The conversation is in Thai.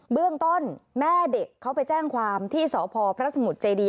เรื่องต้นแม่เด็กเขาไปแจ้งความที่สพพระสมุทรเจดี